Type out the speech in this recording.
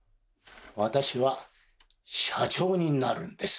私は社長になるんです！